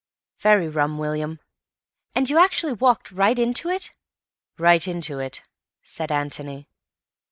"Very rum, William." "And you actually walked right into it?" "Right into it," said Antony.